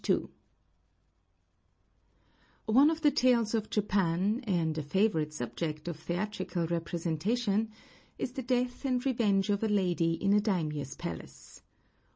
One of the tales of old Japan, and a favorite subject of theatrical representation, is the death and revenge of a lady in a daimiō's palace.